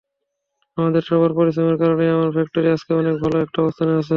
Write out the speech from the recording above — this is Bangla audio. আমাদের সবার পরিশ্রমের কারণেই আমার ফ্যক্টরি আজকে অনেক ভালো একটা অবস্থানে আছে।